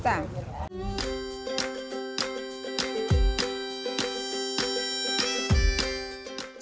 sekarang kita mulai membuat jajanan